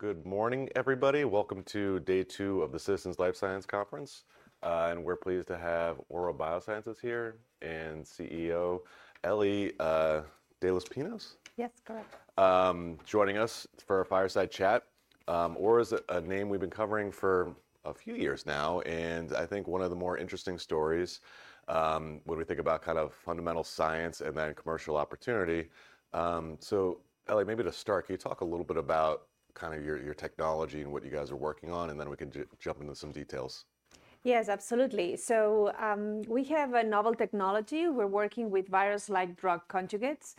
Good morning, everybody. Welcome to day two of the Citizens Life Science Conference. We are pleased to have Aura Biosciences here and CEO Eli de los Pinos. Yes, correct. Joining us for a fireside chat. Aura is a name we've been covering for a few years now, and I think one of the more interesting stories when we think about kind of fundamental science and then commercial opportunity. Eli, maybe to start, can you talk a little bit about kind of your technology and what you guys are working on, and then we can jump into some details? Yes, absolutely. We have a novel technology. We're working with virus-like drug conjugates.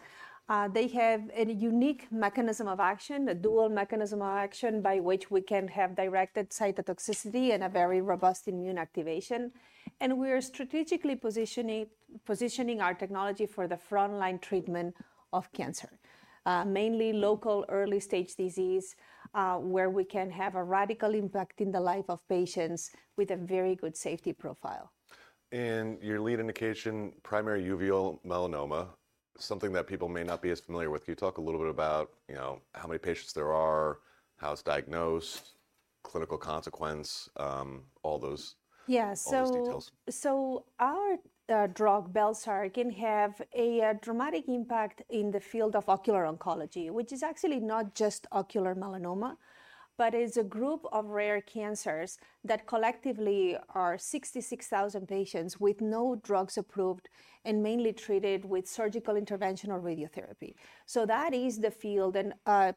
They have a unique mechanism of action, a dual mechanism of action by which we can have directed cytotoxicity and a very robust immune activation. We are strategically positioning our technology for the frontline treatment of cancer, mainly local early-stage disease, where we can have a radical impact in the life of patients with a very good safety profile. Your lead indication, primary uveal melanoma, something that people may not be as familiar with. Can you talk a little bit about how many patients there are, how it's diagnosed, clinical consequence, all those details? Yeah. So our drug, bel-sar, can have a dramatic impact in the field of ocular oncology, which is actually not just ocular melanoma, but it's a group of rare cancers that collectively are 66,000 patients with no drugs approved and mainly treated with surgical intervention or radiotherapy. That is the field.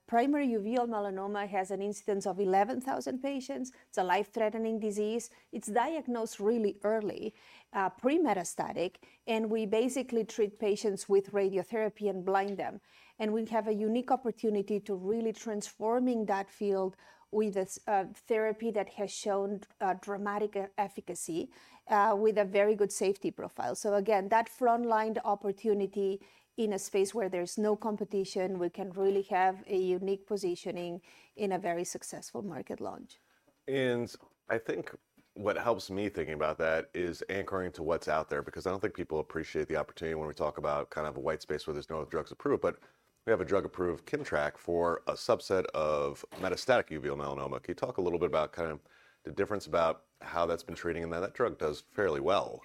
Primary uveal melanoma has an incidence of 11,000 patients. It's a life-threatening disease. It's diagnosed really early, pre-metastatic, and we basically treat patients with radiotherapy and blind them. We have a unique opportunity to really transform that field with a therapy that has shown dramatic efficacy with a very good safety profile. Again, that frontline opportunity in a space where there's no competition, we can really have a unique positioning in a very successful market launch. I think what helps me thinking about that is anchoring to what's out there, because I don't think people appreciate the opportunity when we talk about kind of a white space where there's no drugs approved, but we have a drug approved, KIMMTRAK, for a subset of metastatic uveal melanoma. Can you talk a little bit about kind of the difference about how that's been treating and that that drug does fairly well?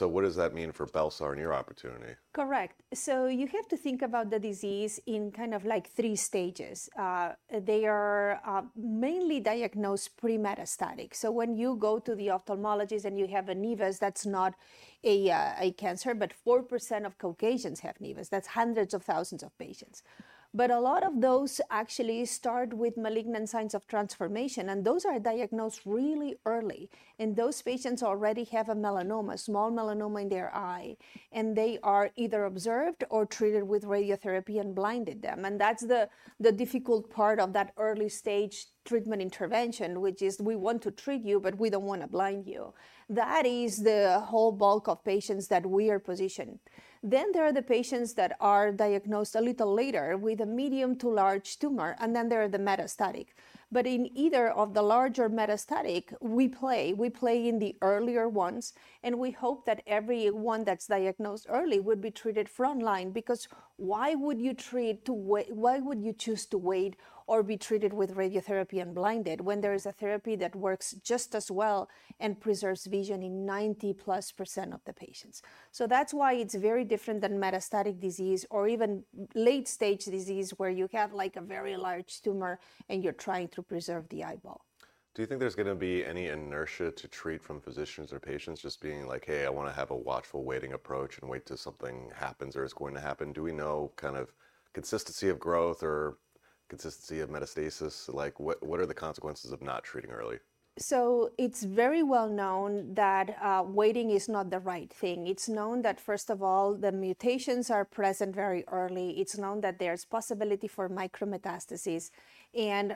What does that mean for bel-sar and your opportunity? Correct. You have to think about the disease in kind of like three stages. They are mainly diagnosed pre-metastatic. When you go to the ophthalmologist and you have a nevus, that's not a cancer, but 4% of Caucasians have nevus. That's hundreds of thousands of patients. A lot of those actually start with malignant signs of transformation, and those are diagnosed really early. Those patients already have a melanoma, small melanoma in their eye, and they are either observed or treated with radiotherapy and blinded them. That's the difficult part of that early-stage treatment intervention, which is we want to treat you, but we don't want to blind you. That is the whole bulk of patients that we are positioned. There are the patients that are diagnosed a little later with a medium to large tumor, and there are the metastatic. In either of the larger metastatic, we play. We play in the earlier ones, and we hope that everyone that's diagnosed early would be treated frontline, because why would you choose to wait? Why would you choose to wait or be treated with radiotherapy and blinded when there is a therapy that works just as well and preserves vision in 90%+ of the patients? That is why it's very different than metastatic disease or even late-stage disease where you have like a very large tumor and you're trying to preserve the eyeball. Do you think there's going to be any inertia to treat from physicians or patients just being like, hey, I want to have a watchful waiting approach and wait till something happens or is going to happen? Do we know kind of consistency of growth or consistency of metastasis? Like what are the consequences of not treating early? It is very well known that waiting is not the right thing. It is known that, first of all, the mutations are present very early. It is known that there is possibility for micrometastasis.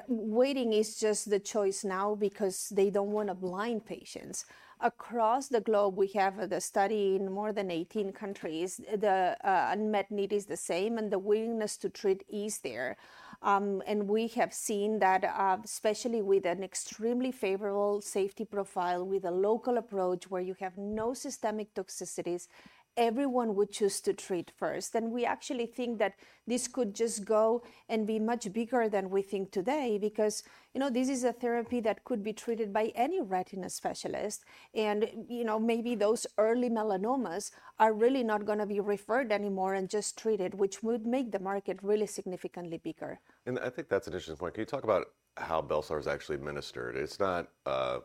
Waiting is just the choice now because they do not want to blind patients. Across the globe, we have the study in more than 18 countries. The unmet need is the same, and the willingness to treat is there. We have seen that, especially with an extremely favorable safety profile with a local approach where you have no systemic toxicities, everyone would choose to treat first. We actually think that this could just go and be much bigger than we think today because, you know, this is a therapy that could be treated by any retina specialist. Maybe those early melanomas are really not going to be referred anymore and just treated, which would make the market really significantly bigger. I think that's an interesting point. Can you talk about how bel-sar is actually administered? It's not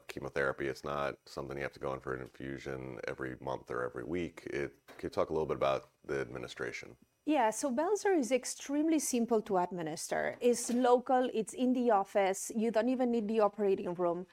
chemotherapy. It's not something you have to go in for an infusion every month or every week. Can you talk a little bit about the administration? Yeah. So bel-sar is extremely simple to administer. It's local. It's in the office. You don't even need the operating room.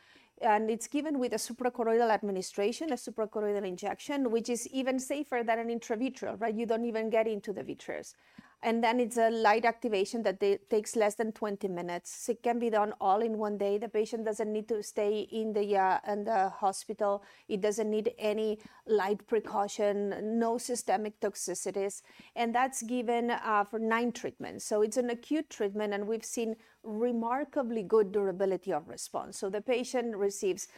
It's given with a supracoroidal administration, a supracoroidal injection, which is even safer than an intravitreal, right? You don't even get into the vitreous. It's a light activation that takes less than 20 minutes. It can be done all in one day. The patient doesn't need to stay in the hospital. It doesn't need any light precaution, no systemic toxicities. That's given for nine treatments. It's an acute treatment, and we've seen remarkably good durability of response. The patient receives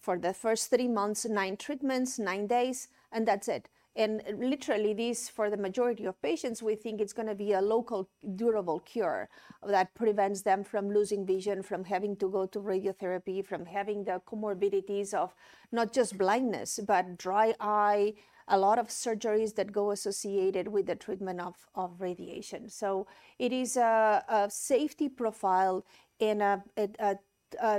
for the first three months, nine treatments, nine days, and that's it. Literally, for the majority of patients, we think it's going to be a local, durable cure that prevents them from losing vision, from having to go to radiotherapy, from having the comorbidities of not just blindness, but dry eye, a lot of surgeries that go associated with the treatment of radiation. It is a safety profile and a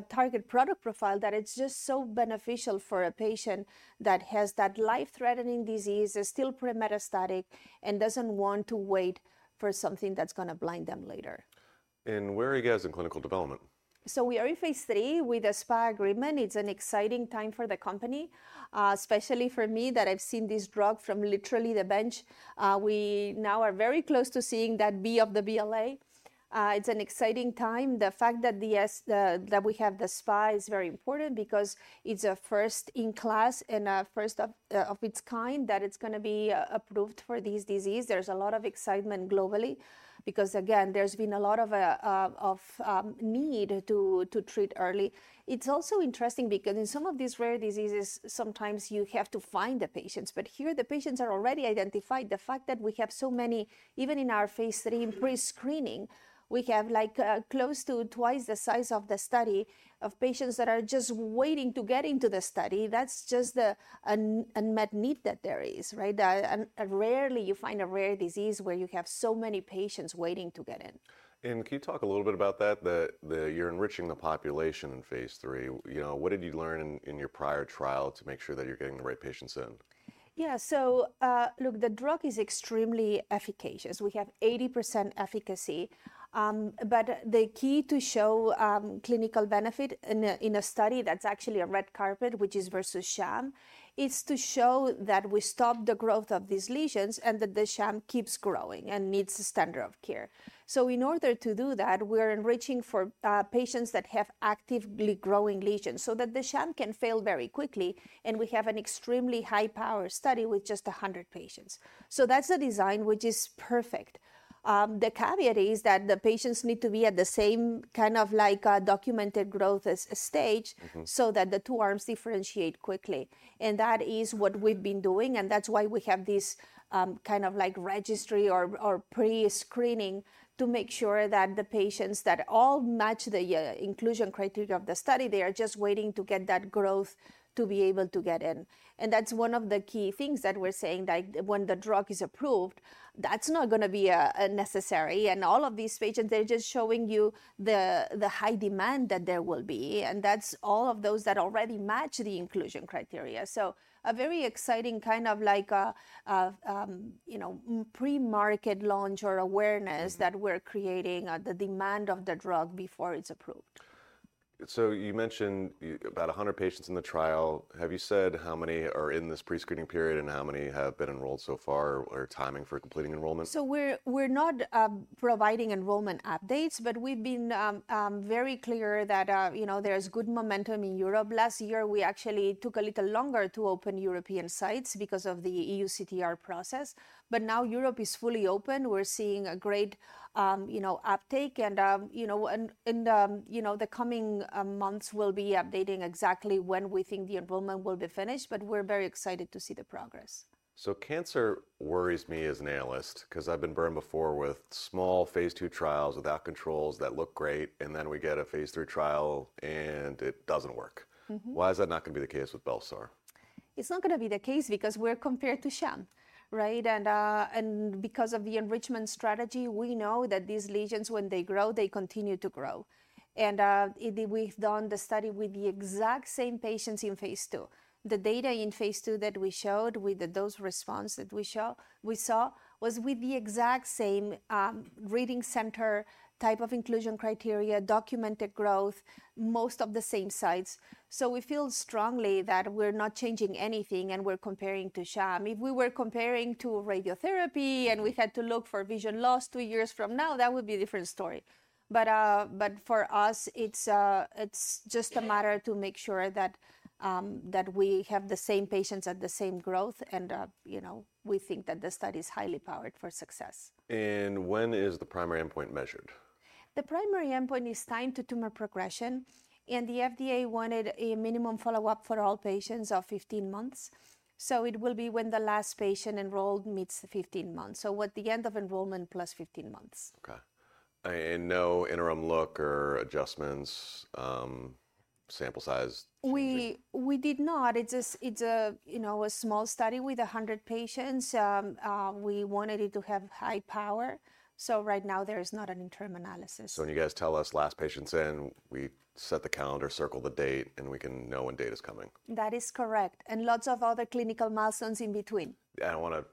target product profile that is just so beneficial for a patient that has that life-threatening disease, is still pre-metastatic, and doesn't want to wait for something that's going to blind them later. Where are you guys in clinical development? We are in phase III with a SPA agreement. It's an exciting time for the company, especially for me that I've seen this drug from literally the bench. We now are very close to seeing that B of the BLA. It's an exciting time. The fact that we have the SPA is very important because it's a first in class and a first of its kind that it's going to be approved for this disease. There's a lot of excitement globally because, again, there's been a lot of need to treat early. It's also interesting because in some of these rare diseases, sometimes you have to find the patients. Here, the patients are already identified. The fact that we have so many, even in our phase III pre-screening, we have like close to twice the size of the study of patients that are just waiting to get into the study. That's just the unmet need that there is, right? Rarely you find a rare disease where you have so many patients waiting to get in. Can you talk a little bit about that, that you're enriching the population in phase III? What did you learn in your prior trial to make sure that you're getting the right patients in? Yeah. Look, the drug is extremely efficacious. We have 80% efficacy. The key to show clinical benefit in a study that's actually a red carpet, which is versus sham, is to show that we stop the growth of these lesions and that the sham keeps growing and needs a standard of care. In order to do that, we are enriching for patients that have actively growing lesions so that the sham can fail very quickly. We have an extremely high-power study with just 100 patients. That's the design, which is perfect. The caveat is that the patients need to be at the same kind of like documented growth stage so that the two arms differentiate quickly. That is what we've been doing. That's why we have this kind of like registry or pre-screening to make sure that the patients that all match the inclusion criteria of the study, they are just waiting to get that growth to be able to get in. That's one of the key things that we're saying, that when the drug is approved, that's not going to be necessary. All of these patients, they're just showing you the high demand that there will be. That's all of those that already match the inclusion criteria. A very exciting kind of like pre-market launch or awareness that we're creating, the demand of the drug before it's approved. You mentioned about 100 patients in the trial. Have you said how many are in this pre-screening period and how many have been enrolled so far or timing for completing enrollment? We're not providing enrollment updates, but we've been very clear that there's good momentum in Europe. Last year, we actually took a little longer to open European sites because of the EU CTR process. Now Europe is fully open. We're seeing a great uptake. In the coming months, we'll be updating exactly when we think the enrollment will be finished, but we're very excited to see the progress. Cancer worries me as an analyst because I've been burned before with small phase II trials without controls that look great, and then we get a phase III trial and it doesn't work. Why is that not going to be the case with bel-sar? It's not going to be the case because we're compared to sham, right? And because of the enrichment strategy, we know that these lesions, when they grow, they continue to grow. We've done the study with the exact same patients in phase II. The data in phase II that we showed with those response that we saw was with the exact same reading center type of inclusion criteria, documented growth, most of the same sites. We feel strongly that we're not changing anything and we're comparing to sham. If we were comparing to radiotherapy and we had to look for vision loss two years from now, that would be a different story. For us, it's just a matter to make sure that we have the same patients at the same growth. We think that the study is highly powered for success. When is the primary endpoint measured? The primary endpoint is time to tumor progression. The FDA wanted a minimum follow-up for all patients of 15 months. It will be when the last patient enrolled meets 15 months, at the end of enrollment +15 months. Okay. No interim look or adjustments, sample size? We did not. It's a small study with 100 patients. We wanted it to have high power. Right now, there is not an interim analysis. When you guys tell us last patient's in, we set the calendar, circle the date, and we can know when date is coming. That is correct. Lots of other clinical milestones in between. I don't want to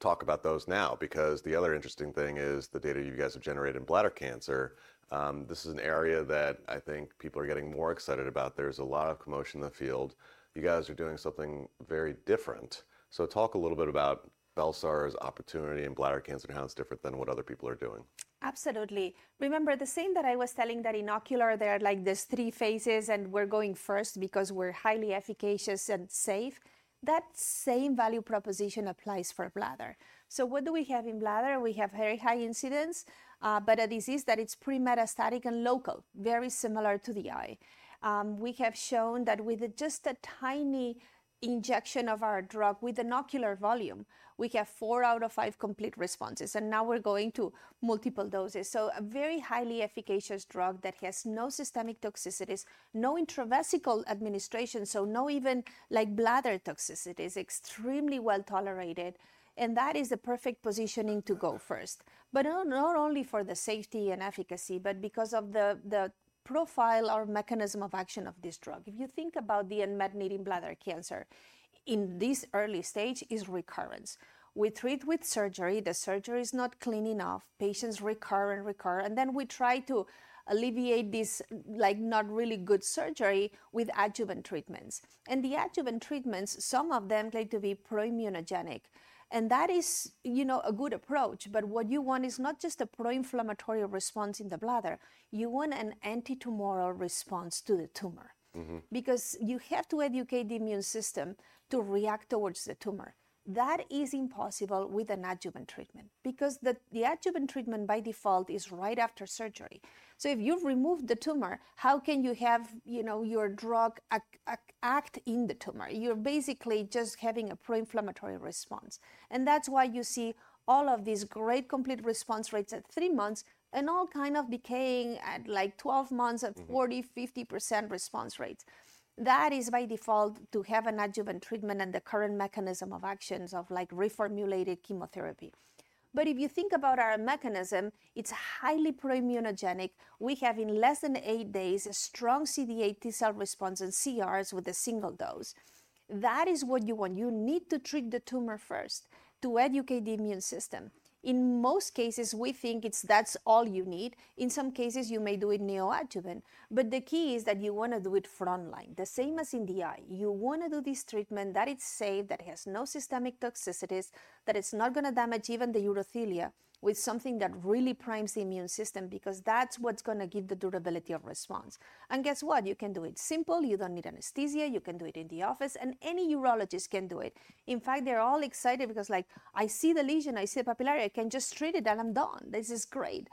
talk about those now because the other interesting thing is the data you guys have generated in bladder cancer. This is an area that I think people are getting more excited about. There's a lot of commotion in the field. You guys are doing something very different. Talk a little bit about bel-sar's opportunity in bladder cancer and how it's different than what other people are doing. Absolutely. Remember the same that I was telling that in ocular, there are like these three phases and we're going first because we're highly efficacious and safe. That same value proposition applies for bladder. What do we have in bladder? We have very high incidence, but a disease that is pre-metastatic and local, very similar to the eye. We have shown that with just a tiny injection of our drug with an ocular volume, we have four out of five complete responses. Now we're going to multiple doses. A very highly efficacious drug that has no systemic toxicities, no intravesical administration, so not even like bladder toxicities, extremely well tolerated. That is the perfect positioning to go first, not only for the safety and efficacy, but because of the profile or mechanism of action of this drug. If you think about the unmet need in bladder cancer in this early stage, it's recurrence. We treat with surgery. The surgery is not clean enough. Patients recur and recur. We try to alleviate this like not really good surgery with adjuvant treatments. The adjuvant treatments, some of them claim to be pro-immunogenic. That is a good approach. What you want is not just a pro-inflammatory response in the bladder. You want an anti-tumoral response to the tumor because you have to educate the immune system to react towards the tumor. That is impossible with an adjuvant treatment because the adjuvant treatment by default is right after surgery. If you've removed the tumor, how can you have your drug act in the tumor? You're basically just having a pro-inflammatory response. That is why you see all of these great complete response rates at three months and all kind of decaying at 12 months at 40%-50% response rates. That is by default to have an adjuvant treatment and the current mechanism of actions of like reformulated chemotherapy. If you think about our mechanism, it's highly pro-immunogenic. We have in less than eight days a strong CD8 T-cell response and CRs with a single dose. That is what you want. You need to treat the tumor first to educate the immune system. In most cases, we think that's all you need. In some cases, you may do it neoadjuvant. The key is that you want to do it frontline, the same as in the eye. You want to do this treatment that it's safe, that it has no systemic toxicities, that it's not going to damage even the urothelia with something that really primes the immune system because that's what's going to give the durability of response. Guess what? You can do it simple. You don't need anesthesia. You can do it in the office. Any urologist can do it. In fact, they're all excited because like, I see the lesion, I see the papillary, I can just treat it and I'm done. This is great.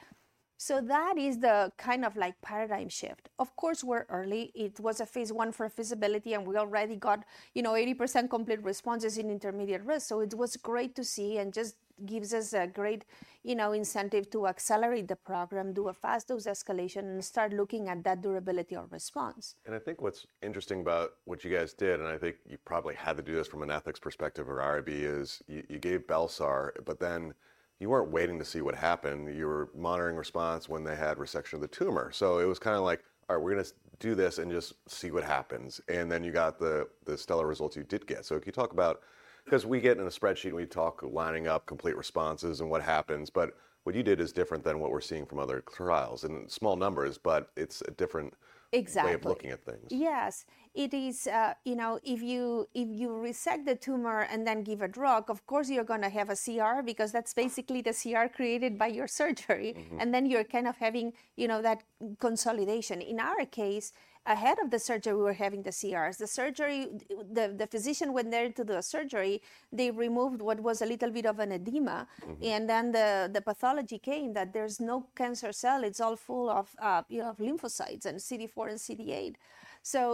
That is the kind of like paradigm shift. Of course, we're early. It was a phase one for visibility and we already got 80% complete responses in intermediate risk. It was great to see and just gives us a great incentive to accelerate the program, do a fast dose escalation, and start looking at that durability of response. I think what's interesting about what you guys did, and I think you probably had to do this from an ethics perspective or IRB, is you gave bel-sar, but then you were not waiting to see what happened. You were monitoring response when they had resection of the tumor. It was kind of like, all right, we are going to do this and just see what happens. Then you got the stellar results you did get. Can you talk about, because we get in a spreadsheet and we talk lining up complete responses and what happens, but what you did is different than what we are seeing from other trials in small numbers, but it is a different way of looking at things. Exactly. Yes. It is, if you resect the tumor and then give a drug, of course, you're going to have a CR because that's basically the CR created by your surgery. You're kind of having that consolidation. In our case, ahead of the surgery, we were having the CRs. The physician went there to do a surgery. They removed what was a little bit of an edema. The pathology came that there's no cancer cell. It's all full of lymphocytes and CD4 and CD8.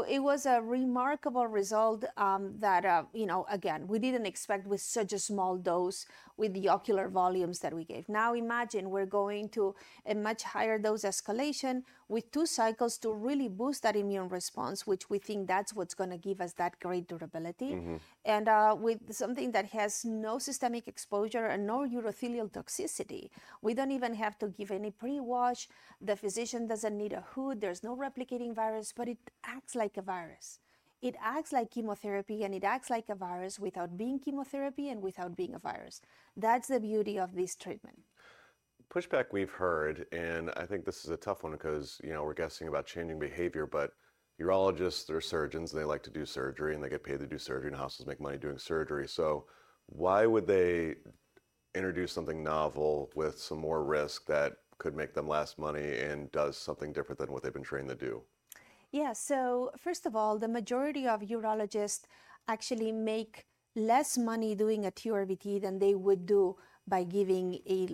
It was a remarkable result that, again, we didn't expect with such a small dose with the ocular volumes that we gave. Now imagine we're going to a much higher dose escalation with two cycles to really boost that immune response, which we think that's what's going to give us that great durability. With something that has no systemic exposure and no urothelial toxicity, we do not even have to give any pre-wash. The physician does not need a hood. There is no replicating virus, but it acts like a virus. It acts like chemotherapy and it acts like a virus without being chemotherapy and without being a virus. That is the beauty of this treatment. Pushback we've heard, and I think this is a tough one because we're guessing about changing behavior, but urologists, they're surgeons, and they like to do surgery, and they get paid to do surgery, and the hospitals make money doing surgery. Why would they introduce something novel with some more risk that could make them less money and does something different than what they've been trained to do? Yeah. First of all, the majority of urologists actually make less money doing a TURBT than they would do by giving a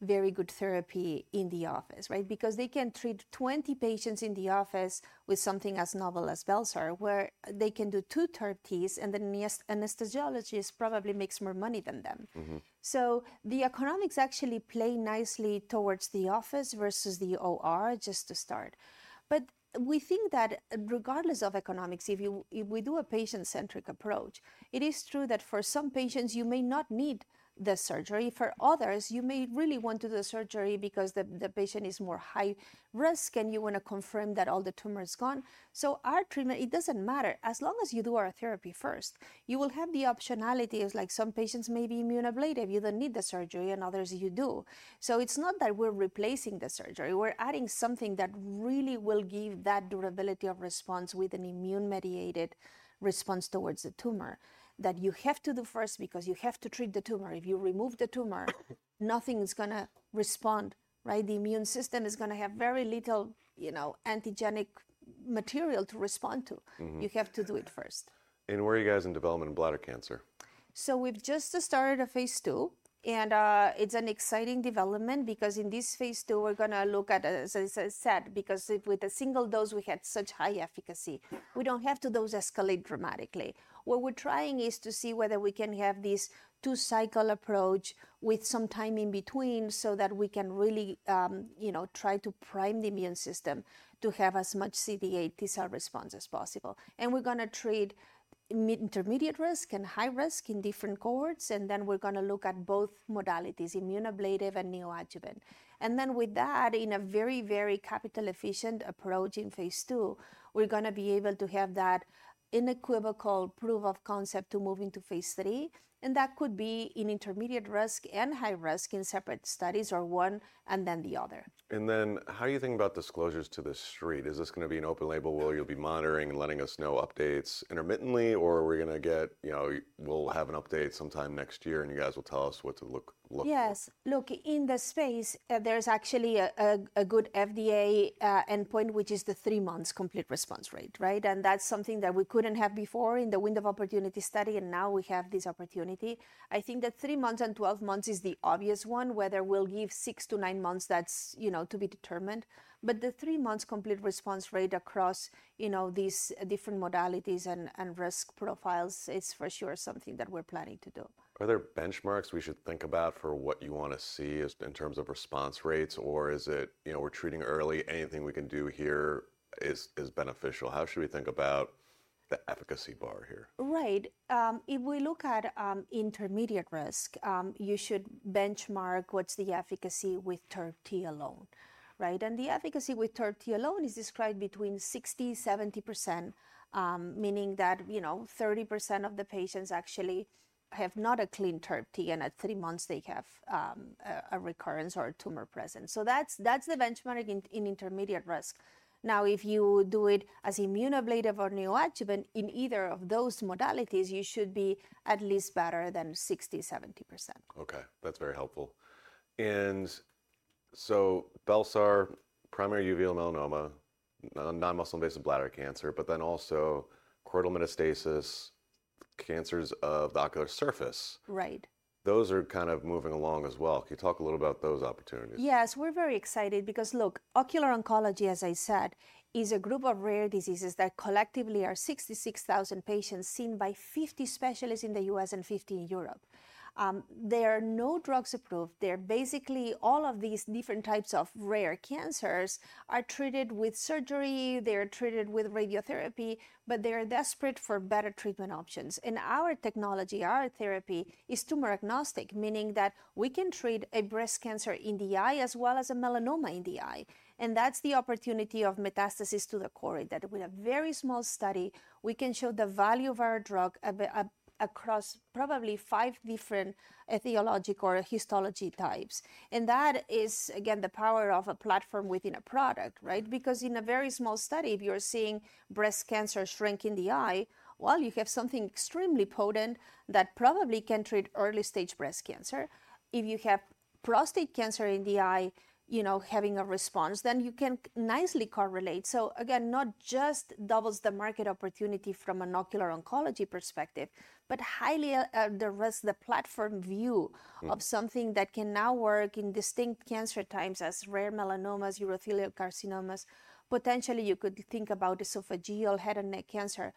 very good therapy in the office, right? Because they can treat 20 patients in the office with something as novel as bel-sar, where they can do two TURBTs, and then anesthesiologists probably make more money than them. The economics actually play nicely towards the office versus the OR just to start. We think that regardless of economics, if we do a patient-centric approach, it is true that for some patients, you may not need the surgery. For others, you may really want to do the surgery because the patient is more high risk, and you want to confirm that all the tumor is gone. Our treatment, it does not matter. As long as you do our therapy first, you will have the optionality of like some patients may be immune ablative. You do not need the surgery, and others you do. It is not that we are replacing the surgery. We are adding something that really will give that durability of response with an immune-mediated response towards the tumor that you have to do first because you have to treat the tumor. If you remove the tumor, nothing is going to respond, right? The immune system is going to have very little antigenic material to respond to. You have to do it first. Where are you guys in development in bladder cancer? We've just started a phase II, and it's an exciting development because in this phase II, we're going to look at, as I said, because with a single dose, we had such high efficacy. We don't have to dose escalate dramatically. What we're trying is to see whether we can have this two-cycle approach with some time in between so that we can really try to prime the immune system to have as much CD8 T-cell response as possible. We're going to treat intermediate risk and high risk in different cohorts, and then we're going to look at both modalities, immune ablative and neoadjuvant. With that, in a very, very capital-efficient approach in phase II, we're going to be able to have that unequivocal proof of concept to move into phase III. That could be in intermediate risk and high risk in separate studies or one and then the other. How do you think about disclosures to the street? Is this going to be an open label where you'll be monitoring and letting us know updates intermittently, or are we going to get, we'll have an update sometime next year and you guys will tell us what to look for? Yes. Look, in the space, there's actually a good FDA endpoint, which is the three months complete response rate, right? That's something that we couldn't have before in the window of opportunity study, and now we have this opportunity. I think that three months and 12 months is the obvious one. Whether we'll give six to nine months, that's to be determined. The three months complete response rate across these different modalities and risk profiles is for sure something that we're planning to do. Are there benchmarks we should think about for what you want to see in terms of response rates, or is it we're treating early, anything we can do here is beneficial? How should we think about the efficacy bar here? Right. If we look at intermediate risk, you should benchmark what's the efficacy with TURBT alone, right? The efficacy with TURBT alone is described between 60%-70%, meaning that 30% of the patients actually have not a clean TURBT, and at three months, they have a recurrence or a tumor present. That's the benchmark in intermediate risk. Now, if you do it as immune ablative or neoadjuvant in either of those modalities, you should be at least better than 60%-70%. Okay. That's very helpful. And so bel-sar, primary uveal melanoma, non-muscle-invasive bladder cancer, but then also choroidal metastasis, cancers of the ocular surface. Right. Those are kind of moving along as well. Can you talk a little about those opportunities? Yes. We're very excited because look, ocular oncology, as I said, is a group of rare diseases that collectively are 66,000 patients seen by 50 specialists in the U.S. and 50 in Europe. There are no drugs approved. They're basically all of these different types of rare cancers are treated with surgery. They're treated with radiotherapy, but they're desperate for better treatment options. Our technology, our therapy is tumor agnostic, meaning that we can treat a breast cancer in the eye as well as a melanoma in the eye. That is the opportunity of metastasis to the choroid, that with a very small study, we can show the value of our drug across probably five different etiologic or histology types. That is, again, the power of a platform within a product, right? Because in a very small study, if you're seeing breast cancer shrink in the eye, you have something extremely potent that probably can treat early-stage breast cancer. If you have prostate cancer in the eye, having a response, then you can nicely correlate. Again, not just doubles the market opportunity from an ocular oncology perspective, but highly address the platform view of something that can now work in distinct cancer types as rare melanomas, urothelial carcinomas. Potentially, you could think about esophageal, head and neck cancer.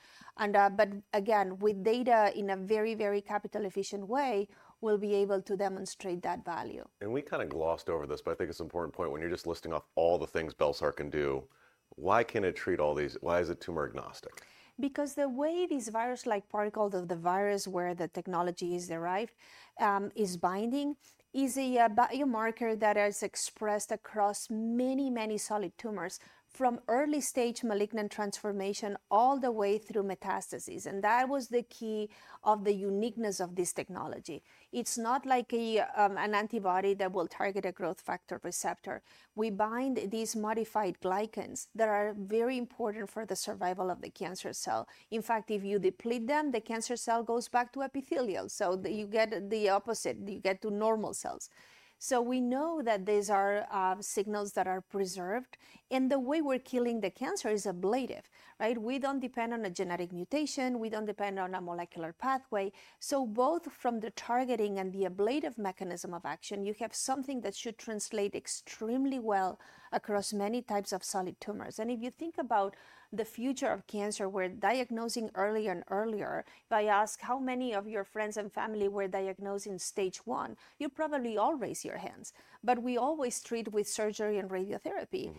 Again, with data in a very, very capital-efficient way, we'll be able to demonstrate that value. We kind of glossed over this, but I think it's an important point. When you're just listing off all the things bel-sar can do, why can it treat all these? Why is it tumor agnostic? Because the way these virus-like particles of the virus where the technology is derived is binding is a biomarker that is expressed across many, many solid tumors from early-stage malignant transformation all the way through metastasis. That was the key of the uniqueness of this technology. It's not like an antibody that will target a growth factor receptor. We bind these modified glycans that are very important for the survival of the cancer cell. In fact, if you deplete them, the cancer cell goes back to epithelial. You get the opposite. You get to normal cells. We know that these are signals that are preserved. The way we're killing the cancer is ablative, right? We don't depend on a genetic mutation. We don't depend on a molecular pathway. Both from the targeting and the ablative mechanism of action, you have something that should translate extremely well across many types of solid tumors. If you think about the future of cancer, we're diagnosing earlier and earlier. If I ask how many of your friends and family were diagnosed in stage one, you'll probably all raise your hands. We always treat with surgery and radiotherapy.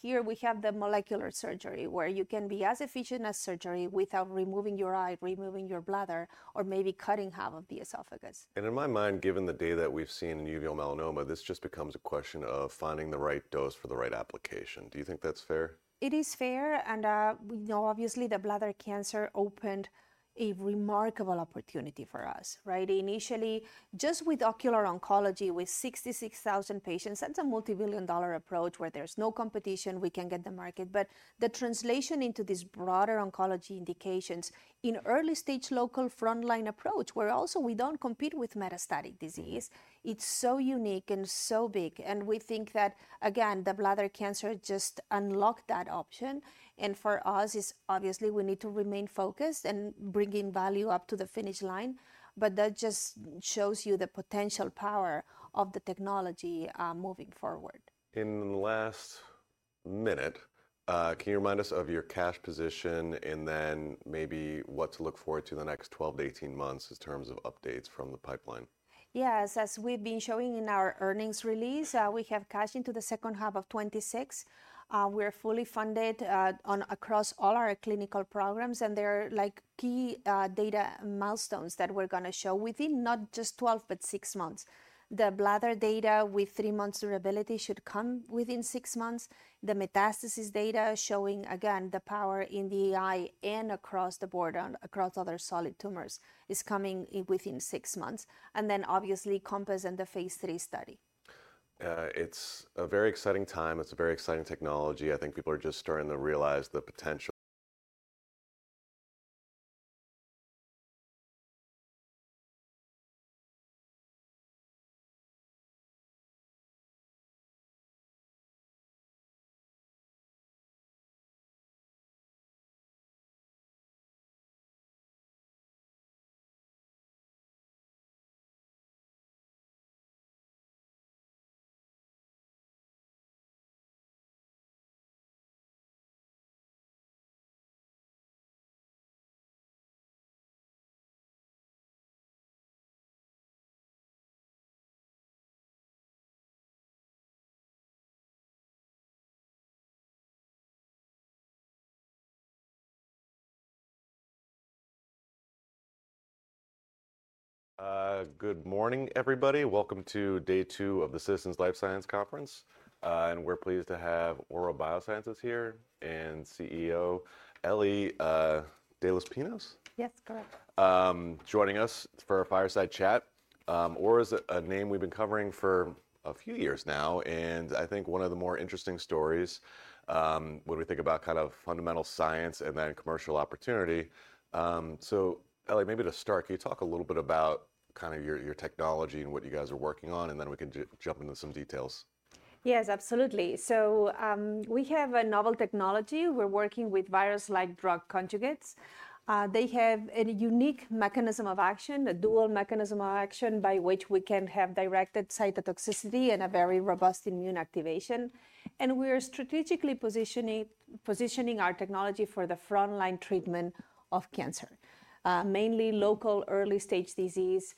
Here we have the molecular surgery where you can be as efficient as surgery without removing your eye, removing your bladder, or maybe cutting half of the esophagus. In my mind, given the data that we've seen in uveal melanoma, this just becomes a question of finding the right dose for the right application. Do you think that's fair? It is fair. Obviously, the bladder cancer opened a remarkable opportunity for us, right? Initially, just with ocular oncology with 66,000 patients, that's a multi-billion dollar approach where there's no competition. We can get the market. The translation into these broader oncology indications in early-stage local frontline approach, where also we don't compete with metastatic disease, it's so unique and so big. We think that, again, the bladder cancer just unlocked that option. For us, it's obviously we need to remain focused and bring in value up to the finish line. That just shows you the potential power of the technology moving forward. In the last minute, can you remind us of your cash position and then maybe what to look forward to the next 12 to 18 months in terms of updates from the pipeline? Yes. As we've been showing in our earnings release, we have cash into the second half of 2026. We are fully funded across all our clinical programs, and there are key data milestones that we're going to show within not just 12, but six months. The bladder data with three months durability should come within six months. The metastasis data showing, again, the power in the eye and across the board and across other solid tumors is coming within six months. Obviously, CoMpass and the phase III study. It's a very exciting time. It's a very exciting technology. I think people are just starting to realize the potential. Good morning, everybody. Welcome to day two of the Citizens Life Science Conference. We're pleased to have Aura Biosciences here and CEO Eli de los Pinos. Yes, correct. Joining us for a fireside chat. Aura is a name we've been covering for a few years now, and I think one of the more interesting stories when we think about kind of fundamental science and then commercial opportunity. So Eli, maybe to start, can you talk a little bit about kind of your technology and what you guys are working on, and then we can jump into some details? Yes, absolutely. We have a novel technology. We're working with virus-like drug conjugates. They have a unique mechanism of action, a dual mechanism of action by which we can have directed cytotoxicity and a very robust immune activation. We are strategically positioning our technology for the frontline treatment of cancer, mainly local early-stage disease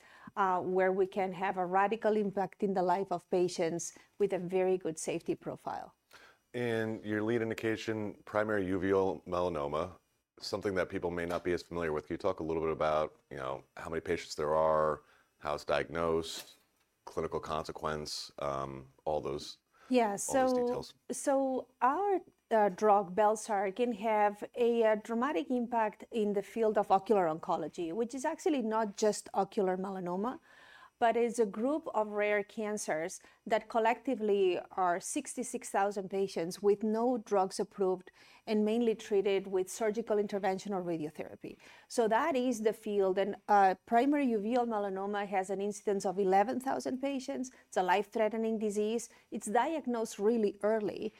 where we can have a radical impact in the life of patients with a very good safety profile. Your lead indication, primary uveal melanoma, something that people may not be as familiar with. Can you talk a little bit about how many patients there are, how it's diagnosed, clinical consequence, all those? Yeah. So our drug, bel-sar, can have a dramatic impact in the field of ocular oncology, which is actually not just ocular melanoma, but it's a group of rare cancers that collectively are 66,000 patients with no drugs approved and mainly treated with surgical intervention or radiotherapy. That is the field. Primary uveal melanoma has an incidence of 11,000 patients. It's a life-threatening disease. It's diagnosed really early,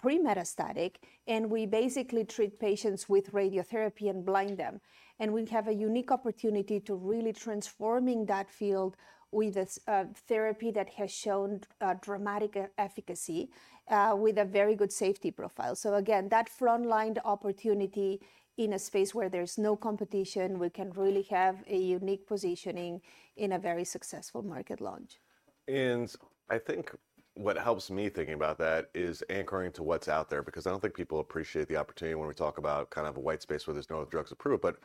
pre-metastatic, and we basically treat patients with radiotherapy and blind them. We have a unique opportunity to really transform that field with a therapy that has shown dramatic efficacy with a very good safety profile. Again, that frontline opportunity in a space where there's no competition, we can really have a unique positioning in a very successful market launch. I think what helps me thinking about that is anchoring to what's out there because I don't think people appreciate the opportunity when we talk about kind of a white space where there's no drugs approved, but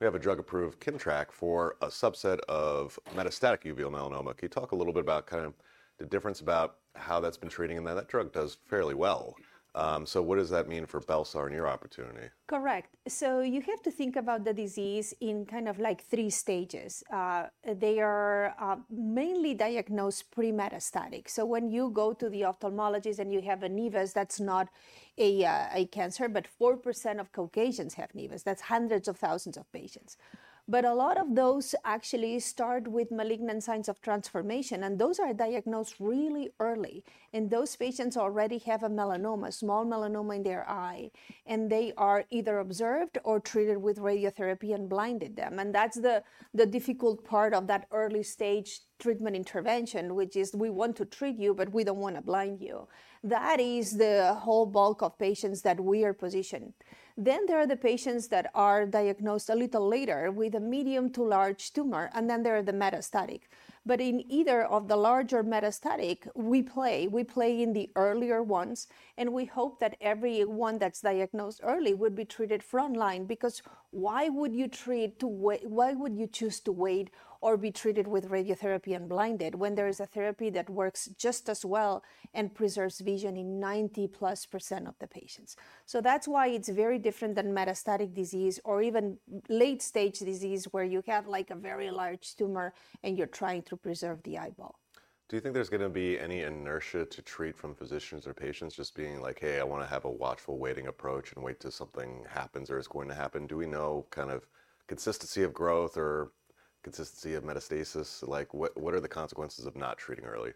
we have a drug-approved KIMMTRAK for a subset of metastatic uveal melanoma. Can you talk a little bit about kind of the difference about how that's been treating and that that drug does fairly well? What does that mean for bel-sar and your opportunity? Correct. You have to think about the disease in kind of like three stages. They are mainly diagnosed pre-metastatic. When you go to the ophthalmologist and you have a nevus, that's not a cancer, but 4% of Caucasians have nevus. That's hundreds of thousands of patients. A lot of those actually start with malignant signs of transformation, and those are diagnosed really early. Those patients already have a melanoma, small melanoma in their eye, and they are either observed or treated with radiotherapy and blinded them. That's the difficult part of that early-stage treatment intervention, which is we want to treat you, but we do not want to blind you. That is the whole bulk of patients that we are positioned. There are the patients that are diagnosed a little later with a medium to large tumor, and there are the metastatic. In either of the larger metastatic, we play. We play in the earlier ones, and we hope that everyone that's diagnosed early would be treated frontline because why would you choose to wait or be treated with radiotherapy and blinded when there is a therapy that works just as well and preserves vision in 90%+ of the patients? That is why it's very different than metastatic disease or even late-stage disease where you have like a very large tumor and you're trying to preserve the eyeball. Do you think there's going to be any inertia to treat from physicians or patients just being like, "Hey, I want to have a watchful waiting approach and wait till something happens or is going to happen"? Do we know kind of consistency of growth or consistency of metastasis? Like what are the consequences of not treating early?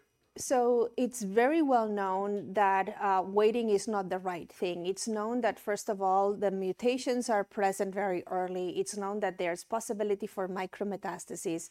It is very well known that waiting is not the right thing. It is known that, first of all, the mutations are present very early. It is known that there is possibility for micro-metastasis.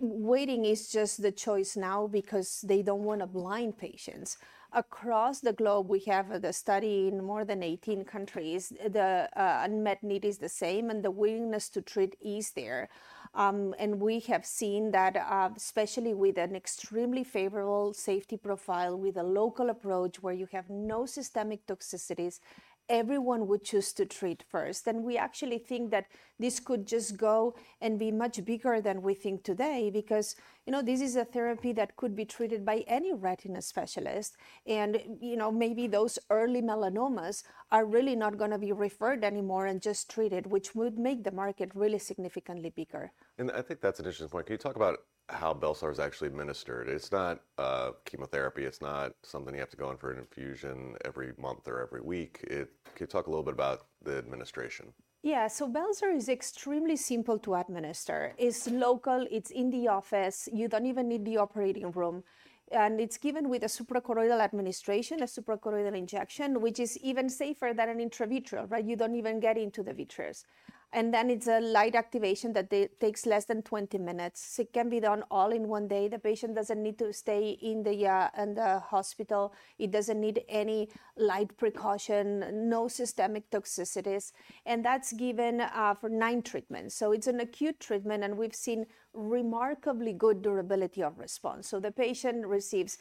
Waiting is just the choice now because they do not want to blind patients. Across the globe, we have the study in more than 18 countries. The unmet need is the same, and the willingness to treat is there. We have seen that, especially with an extremely favorable safety profile with a local approach where you have no systemic toxicities, everyone would choose to treat first. We actually think that this could just go and be much bigger than we think today because this is a therapy that could be treated by any retina specialist. Maybe those early melanomas are really not going to be referred anymore and just treated, which would make the market really significantly bigger. I think that's an interesting point. Can you talk about how bel-sar is actually administered? It's not chemotherapy. It's not something you have to go in for an infusion every month or every week. Can you talk a little bit about the administration? Yeah. So bel-sar is extremely simple to administer. It's local. It's in the office. You don't even need the operating room. It's given with a supracoroidal administration, a supracoroidal injection, which is even safer than an intravitreal, right? You don't even get into the vitreous. It's a light activation that takes less than 20 minutes. It can be done all in one day. The patient doesn't need to stay in the hospital. It doesn't need any light precaution, no systemic toxicities. That's given for nine treatments. It's an acute treatment, and we've seen remarkably good durability of response. The patient receives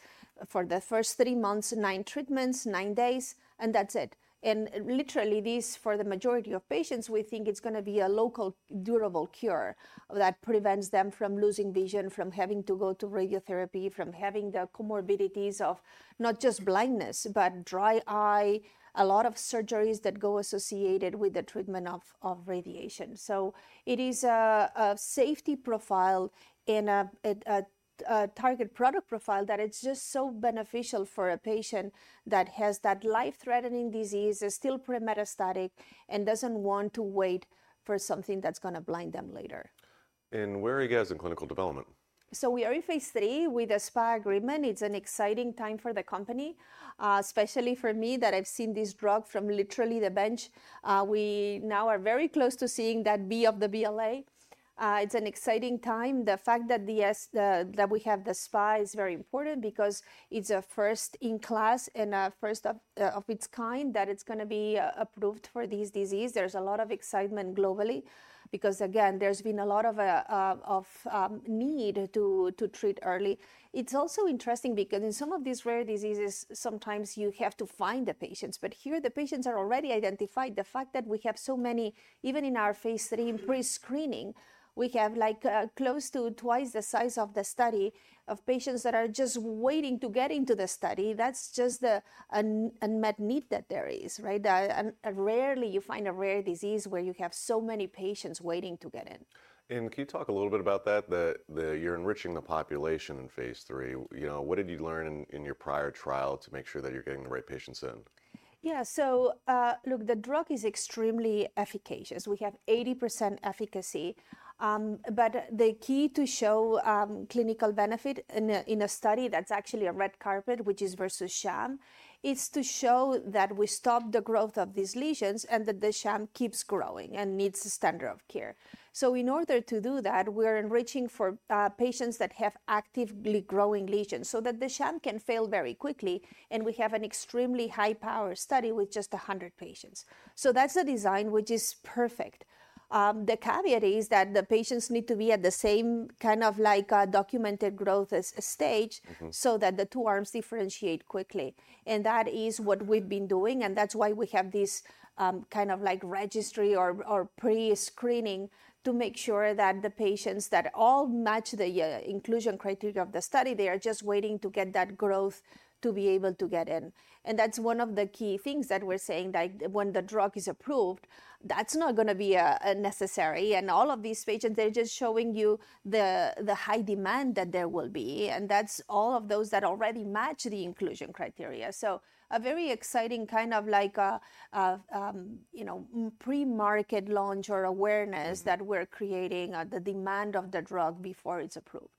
for the first three months, nine treatments, nine days, and that's it. Literally, for the majority of patients, we think it's going to be a local durable cure that prevents them from losing vision, from having to go to radiotherapy, from having the comorbidities of not just blindness, but dry eye, a lot of surgeries that go associated with the treatment of radiation. It is a safety profile and a target product profile that is just so beneficial for a patient that has that life-threatening disease, is still pre-metastatic, and doesn't want to wait for something that's going to blind them later. Where are you guys in clinical development? We are in phase III with a SPA agreement. It's an exciting time for the company, especially for me that I've seen this drug from literally the bench. We now are very close to seeing that B of the BLA. It's an exciting time. The fact that we have the SPA is very important because it's a first in class and a first of its kind that it's going to be approved for this disease. There's a lot of excitement globally because, again, there's been a lot of need to treat early. It's also interesting because in some of these rare diseases, sometimes you have to find the patients. Here, the patients are already identified. The fact that we have so many, even in our phase III and pre-screening, we have like close to twice the size of the study of patients that are just waiting to get into the study. That's just the unmet need that there is, right? Rarely you find a rare disease where you have so many patients waiting to get in. Can you talk a little bit about that? You're enriching the population in phase III. What did you learn in your prior trial to make sure that you're getting the right patients in? Yeah. Look, the drug is extremely efficacious. We have 80% efficacy. The key to show clinical benefit in a study that's actually a red carpet, which is versus sham, is to show that we stop the growth of these lesions and that the sham keeps growing and meets the standard of care. In order to do that, we are enriching for patients that have actively growing lesions so that the sham can fail very quickly. We have an extremely high-power study with just 100 patients. That's a design which is perfect. The caveat is that the patients need to be at the same kind of like documented growth stage so that the two arms differentiate quickly. That is what we've been doing. That's why we have this kind of like registry or pre-screening to make sure that the patients that all match the inclusion criteria of the study, they are just waiting to get that growth to be able to get in. That's one of the key things that we're saying. Like when the drug is approved, that's not going to be necessary. All of these patients, they're just showing you the high demand that there will be. That's all of those that already match the inclusion criteria. A very exciting kind of like pre-market launch or awareness that we're creating, the demand of the drug before it's approved.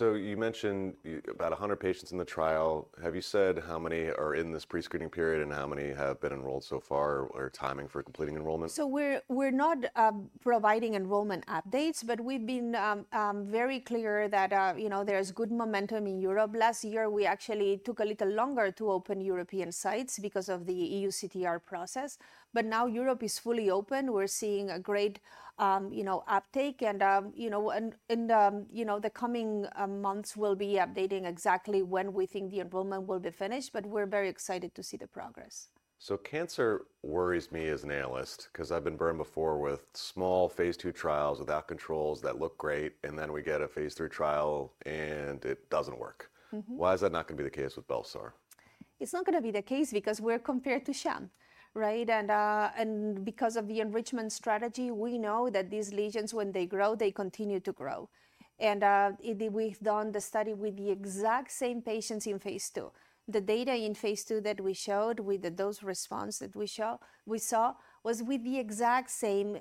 You mentioned about 100 patients in the trial. Have you said how many are in this pre-screening period and how many have been enrolled so far or timing for completing enrollment? We're not providing enrollment updates, but we've been very clear that there's good momentum in Europe. Last year, we actually took a little longer to open European sites because of the EU CTR process. Now Europe is fully open. We're seeing a great uptake. In the coming months, we'll be updating exactly when we think the enrollment will be finished, but we're very excited to see the progress. Cancer worries me as an analyst because I've been burned before with small phase II trials without controls that look great, and then we get a phase III trial and it doesn't work. Why is that not going to be the case with bel-sar? It's not going to be the case because we're compared to sham, right? And because of the enrichment strategy, we know that these lesions, when they grow, they continue to grow. We've done the study with the exact same patients in phase II. The data in phase II that we showed with those responses that we saw was with the exact same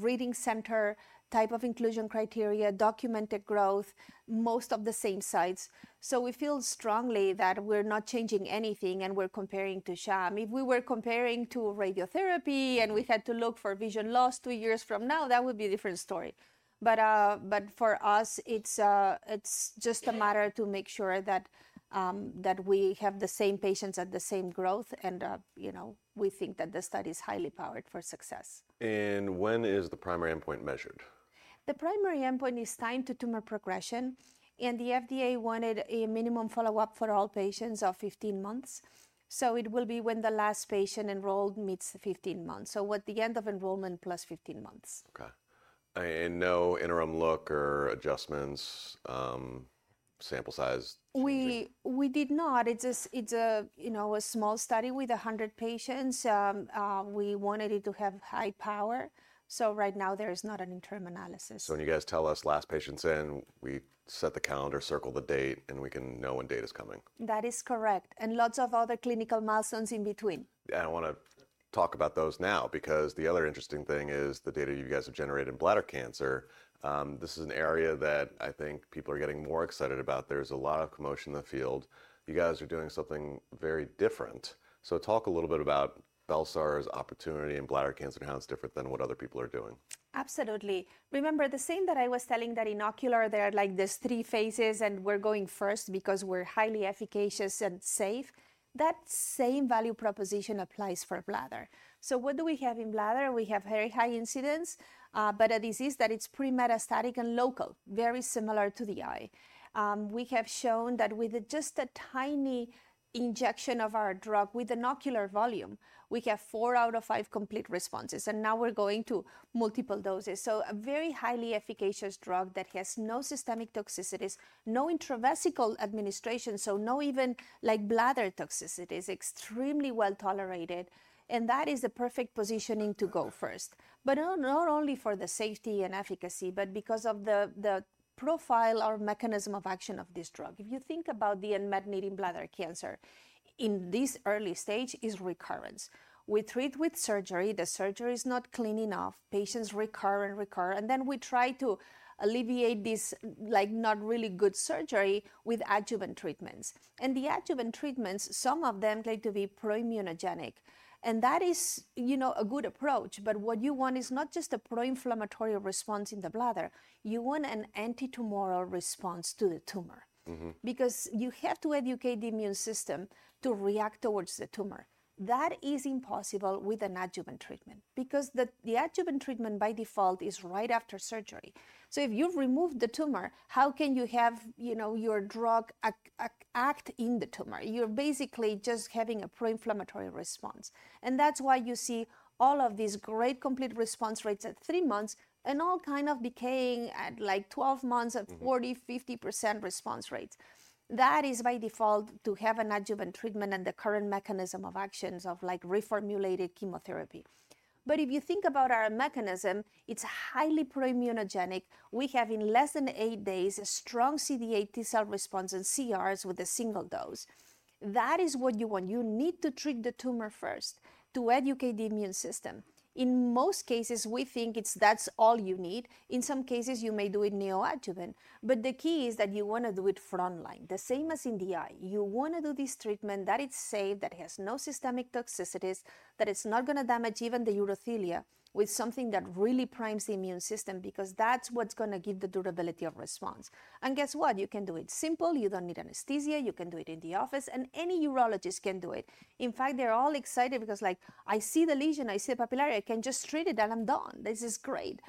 reading center type of inclusion criteria, documented growth, most of the same sites. We feel strongly that we're not changing anything and we're comparing to sham. If we were comparing to radiotherapy and we had to look for vision loss two years from now, that would be a different story. For us, it's just a matter to make sure that we have the same patients at the same growth. We think that the study is highly powered for success. When is the primary endpoint measured? The primary endpoint is time to tumor progression. The FDA wanted a minimum follow-up for all patients of 15 months. It will be when the last patient enrolled meets 15 months, at the end of enrollment +15 months. Okay. No interim look or adjustments, sample size? We did not. It's a small study with 100 patients. We wanted it to have high power. So right now, there is not an interim analysis. When you guys tell us last patient's in, we set the calendar, circle the date, and we can know when date is coming. That is correct. Lots of other clinical milestones in between. I want to talk about those now because the other interesting thing is the data you guys have generated in bladder cancer. This is an area that I think people are getting more excited about. There's a lot of commotion in the field. You guys are doing something very different. Talk a little bit about bel-sar's opportunity in bladder cancer and how it's different than what other people are doing. Absolutely. Remember the same that I was telling that in ocular, there are like these three phases and we're going first because we're highly efficacious and safe. That same value proposition applies for bladder. What do we have in bladder? We have very high incidence, but a disease that it's pre-metastatic and local, very similar to the eye. We have shown that with just a tiny injection of our drug with an ocular volume, we have four out of five complete responses. Now we're going to multiple doses. A very highly efficacious drug that has no systemic toxicities, no intravesical administration, so no even like bladder toxicities, extremely well tolerated. That is the perfect positioning to go first, not only for the safety and efficacy, but because of the profile or mechanism of action of this drug. If you think about the unmet need in bladder cancer in this early stage, it's recurrence. We treat with surgery. The surgery is not clean enough. Patients recur and recur. We try to alleviate this like not really good surgery with adjuvant treatments. The adjuvant treatments, some of them claim to be pro-immunogenic. That is a good approach. What you want is not just a pro-inflammatory response in the bladder. You want an anti-tumoral response to the tumor because you have to educate the immune system to react towards the tumor. That is impossible with an adjuvant treatment because the adjuvant treatment by default is right after surgery. If you've removed the tumor, how can you have your drug act in the tumor? You're basically just having a pro-inflammatory response. That is why you see all of these great complete response rates at three months and all kind of decaying at 12 months at 40%-50% response rates. That is by default to have an adjuvant treatment and the current mechanism of actions of like reformulated chemotherapy. If you think about our mechanism, it is highly pro-immunogenic. We have in less than eight days a strong CD8 T-cell response and CRs with a single dose. That is what you want. You need to treat the tumor first to educate the immune system. In most cases, we think that is all you need. In some cases, you may do it neoadjuvant. The key is that you want to do it frontline, the same as in the eye. You want to do this treatment that it's safe, that it has no systemic toxicities, that it's not going to damage even the urothelia with something that really primes the immune system because that's what's going to give the durability of response. Guess what? You can do it simple. You don't need anesthesia. You can do it in the office. Any urologist can do it. In fact, they're all excited because like, I see the lesion, I see the papillary, I can just treat it and I'm done. This is great.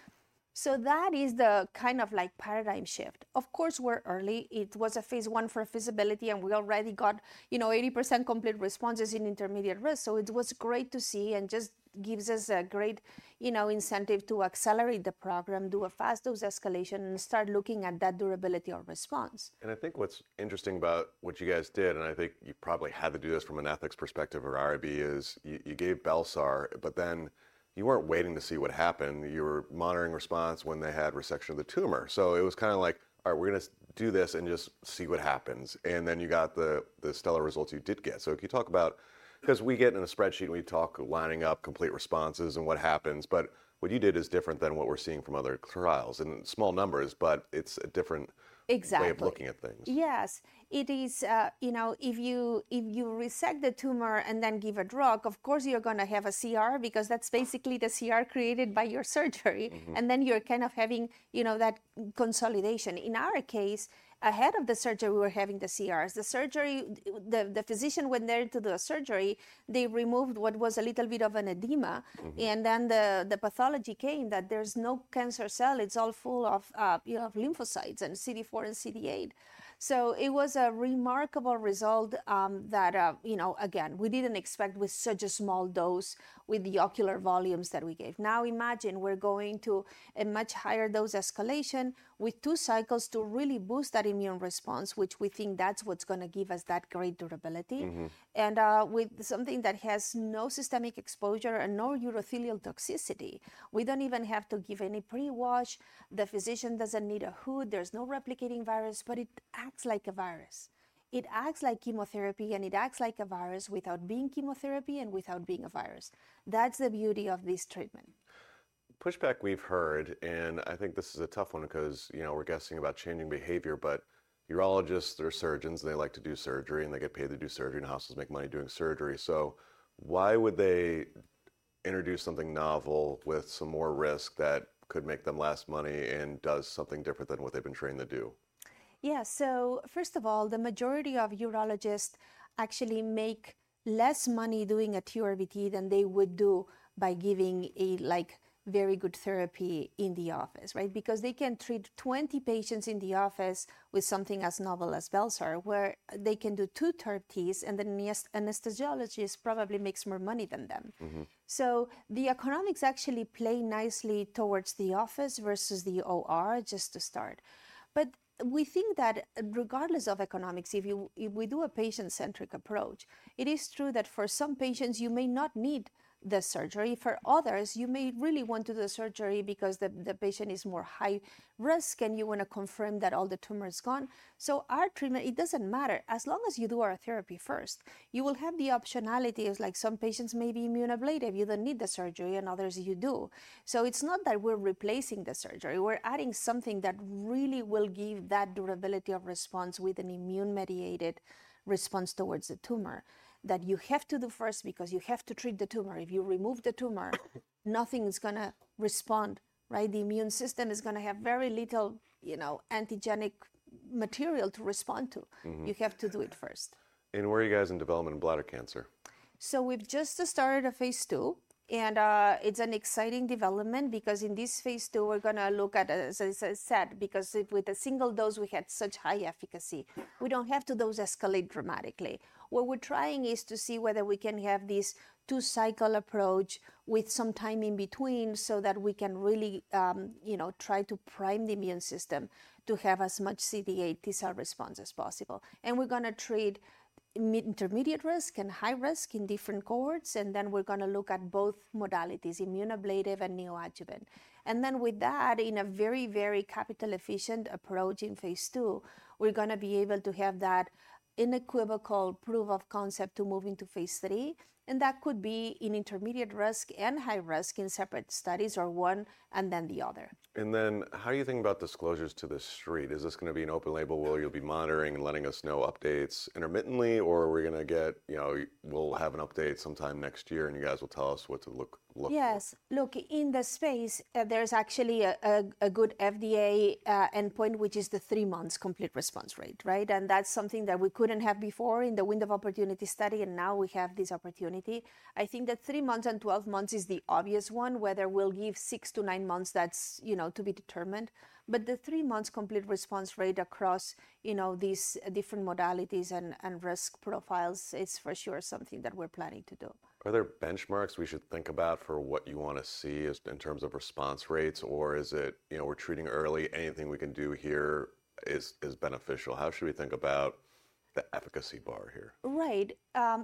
That is the kind of like paradigm shift. Of course, we're early. It was a phase one for visibility and we already got 80% complete responses in intermediate risk. It was great to see and just gives us a great incentive to accelerate the program, do a fast dose escalation, and start looking at that durability of response. I think what's interesting about what you guys did, and I think you probably had to do this from an ethics perspective or IRB, is you gave bel-sar, but then you weren't waiting to see what happened. You were monitoring response when they had resection of the tumor. It was kind of like, all right, we're going to do this and just see what happens. Then you got the stellar results you did get. If you talk about, because we get in a spreadsheet and we talk lining up complete responses and what happens, what you did is different than what we're seeing from other trials. Small numbers, but it's a different way of looking at things. Exactly. Yes. It is, you know, if you resect the tumor and then give a drug, of course, you're going to have a CR because that's basically the CR created by your surgery. Then you're kind of having that consolidation. In our case, ahead of the surgery, we were having the CRs. The physician went there to do a surgery. They removed what was a little bit of an edema. Then the pathology came that there's no cancer cell. It's all full of lymphocytes and CD4 and CD8. It was a remarkable result that, again, we didn't expect with such a small dose with the ocular volumes that we gave. Now imagine we're going to a much higher dose escalation with two cycles to really boost that immune response, which we think that's what's going to give us that great durability. With something that has no systemic exposure and no urothelial toxicity, we do not even have to give any pre-wash. The physician does not need a hood. There is no replicating virus, but it acts like a virus. It acts like chemotherapy and it acts like a virus without being chemotherapy and without being a virus. That is the beauty of this treatment. Pushback we've heard, and I think this is a tough one because we're guessing about changing behavior, but urologists are surgeons and they like to do surgery and they get paid to do surgery and the hospitals make money doing surgery. Why would they introduce something novel with some more risk that could make them less money and does something different than what they've been trained to do? Yeah. First of all, the majority of urologists actually make less money doing a TURBT than they would do by giving a very good therapy in the office, right? Because they can treat 20 patients in the office with something as novel as bel-sar, where they can do two TURBTs and the anesthesiologist probably makes more money than them. The economics actually play nicely towards the office versus the OR just to start. We think that regardless of economics, if we do a patient-centric approach, it is true that for some patients, you may not need the surgery. For others, you may really want to do the surgery because the patient is more high risk and you want to confirm that all the tumor is gone. Our treatment, it doesn't matter. As long as you do our therapy first, you will have the optionality of like some patients may be immune ablative. You do not need the surgery and others you do. It is not that we are replacing the surgery. We are adding something that really will give that durability of response with an immune-mediated response towards the tumor that you have to do first because you have to treat the tumor. If you remove the tumor, nothing is going to respond, right? The immune system is going to have very little antigenic material to respond to. You have to do it first. Where are you guys in development in bladder cancer? We've just started a phase II. It's an exciting development because in this phase II, we're going to look at, as I said, because with a single dose, we had such high efficacy. We don't have to dose escalate dramatically. What we're trying is to see whether we can have this two-cycle approach with some time in between so that we can really try to prime the immune system to have as much CD8 T-cell response as possible. We're going to treat intermediate risk and high risk in different cohorts. We're going to look at both modalities, immune ablative and neoadjuvant. With that, in a very, very capital-efficient approach in phase II, we're going to be able to have that unequivocal proof of concept to move into phase III. That could be in intermediate risk and high risk in separate studies or one and then the other. How do you think about disclosures to the street? Is this going to be an open label where you'll be monitoring and letting us know updates intermittently, or are we going to get, we'll have an update sometime next year and you guys will tell us what to look for? Yes. Look, in the space, there's actually a good FDA endpoint, which is the three months complete response rate, right? That is something that we could not have before in the window of opportunity study. Now we have this opportunity. I think that three months and 12 months is the obvious one, whether we will give six to nine months, that is to be determined. The three months complete response rate across these different modalities and risk profiles is for sure something that we are planning to do. Are there benchmarks we should think about for what you want to see in terms of response rates, or is it we're treating early, anything we can do here is beneficial? How should we think about the efficacy bar here? Right.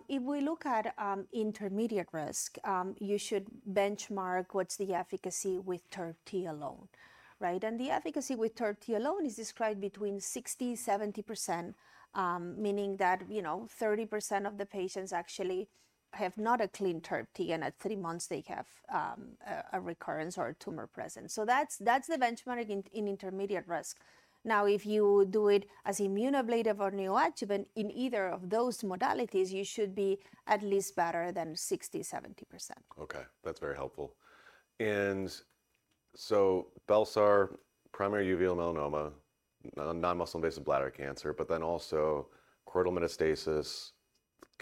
If we look at intermediate risk, you should benchmark what's the efficacy with TURBT alone, right? The efficacy with TURBT alone is described between 60%-70%, meaning that 30% of the patients actually have not a clean TURBT, and at three months, they have a recurrence or a tumor present. That's the benchmark in intermediate risk. Now, if you do it as immune ablative or neoadjuvant in either of those modalities, you should be at least better than 60%-70%. Okay. That's very helpful. And so bel-sar, primary uveal melanoma, non-muscle-invasive bladder cancer, but then also choroidal metastasis,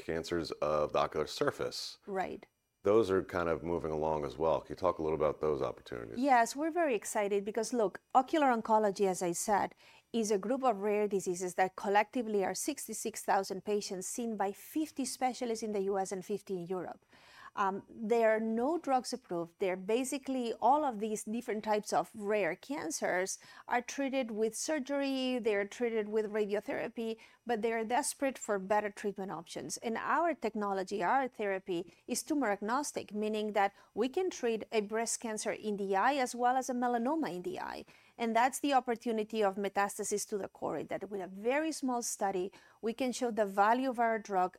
cancers of the ocular surface. Right. Those are kind of moving along as well. Can you talk a little about those opportunities? Yes. We're very excited because look, ocular oncology, as I said, is a group of rare diseases that collectively are 66,000 patients seen by 50 specialists in the U.S. and 50 in Europe. There are no drugs approved. They're basically all of these different types of rare cancers are treated with surgery. They're treated with radiotherapy, but they're desperate for better treatment options. Our technology, our therapy is tumor agnostic, meaning that we can treat a breast cancer in the eye as well as a melanoma in the eye. That is the opportunity of metastasis to the choroid, that with a very small study, we can show the value of our drug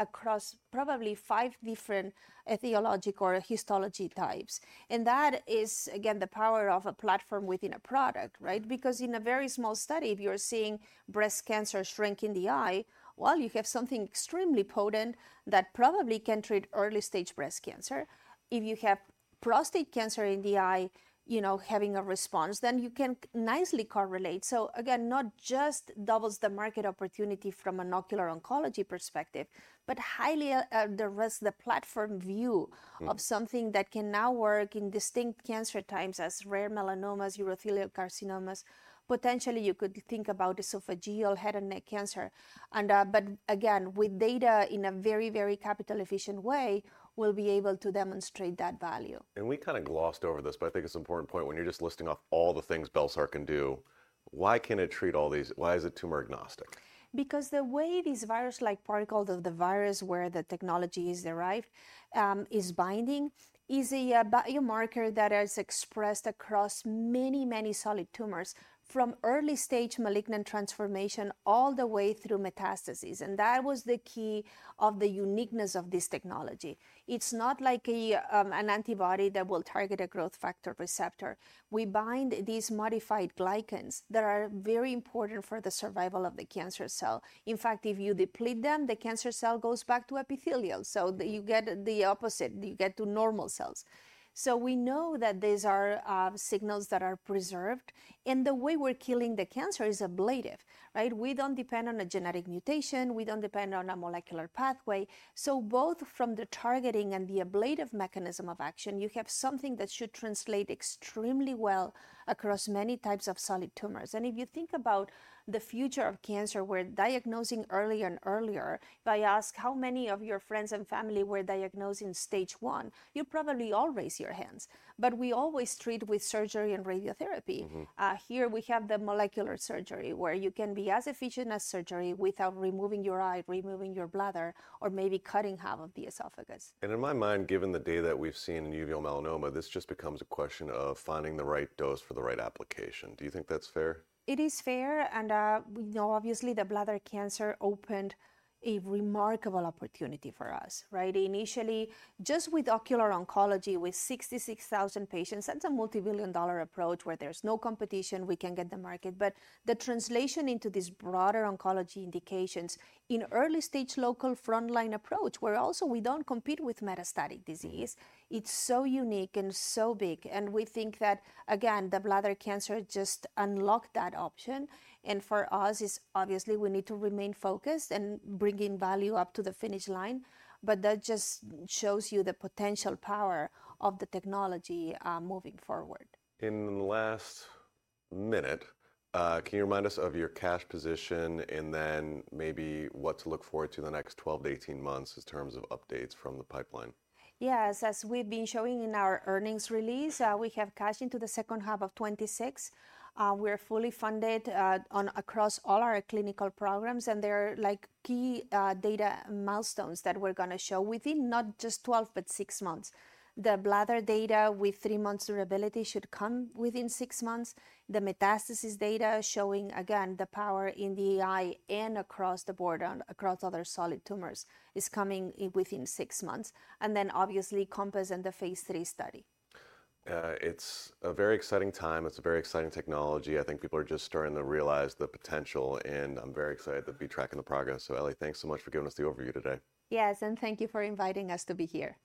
across probably five different etiology or histology types. That is, again, the power of a platform within a product, right? Because in a very small study, if you're seeing breast cancer shrink in the eye, you have something extremely potent that probably can treat early-stage breast cancer. If you have prostate cancer in the eye, having a response, then you can nicely correlate. Again, not just doubles the market opportunity from an ocular oncology perspective, but highly address the platform view of something that can now work in distinct cancer types as rare melanomas, urothelial carcinomas. Potentially, you could think about esophageal, head and neck cancer. Again, with data in a very, very capital-efficient way, we'll be able to demonstrate that value. We kind of glossed over this, but I think it's an important point. When you're just listing off all the things bel-sar can do, why can't it treat all these? Why is it tumor agnostic? Because the way these virus-like particles of the virus where the technology is derived is binding is a biomarker that is expressed across many, many solid tumors from early-stage malignant transformation all the way through metastasis. That was the key of the uniqueness of this technology. It's not like an antibody that will target a growth factor receptor. We bind these modified glycans that are very important for the survival of the cancer cell. In fact, if you deplete them, the cancer cell goes back to epithelial. You get the opposite. You get to normal cells. We know that these are signals that are preserved. The way we're killing the cancer is ablative, right? We don't depend on a genetic mutation. We don't depend on a molecular pathway. Both from the targeting and the ablative mechanism of action, you have something that should translate extremely well across many types of solid tumors. If you think about the future of cancer, we're diagnosing earlier and earlier. If I ask how many of your friends and family were diagnosed in stage one, you'll probably all raise your hands. We always treat with surgery and radiotherapy. Here, we have the molecular surgery where you can be as efficient as surgery without removing your eye, removing your bladder, or maybe cutting half of the esophagus. In my mind, given the data that we've seen in uveal melanoma, this just becomes a question of finding the right dose for the right application. Do you think that's fair? It is fair. Obviously, the bladder cancer opened a remarkable opportunity for us, right? Initially, just with ocular oncology with 66,000 patients, that's a multi-billion dollar approach where there's no competition. We can get the market. The translation into these broader oncology indications in early stage local frontline approach, where also we don't compete with metastatic disease, it's so unique and so big. We think that, again, the bladder cancer just unlocked that option. For us, it's obviously we need to remain focused and bring in value up to the finish line. That just shows you the potential power of the technology moving forward. In the last minute, can you remind us of your cash position and then maybe what to look forward to the next 12 to 18 months in terms of updates from the pipeline? Yes. As we've been showing in our earnings release, we have cash into the second half of 2026. We are fully funded across all our clinical programs. There are key data milestones that we're going to show within, not just 12, but six months. The bladder data with three months durability should come within six months. The metastasis data showing, again, the power in the eye and across the board and across other solid tumors is coming within six months. Obviously, CoMpass and the phase III study. It's a very exciting time. It's a very exciting technology. I think people are just starting to realize the potential. I'm very excited to be tracking the progress. Eli, thanks so much for giving us the overview today. Yes. Thank you for inviting us to be here.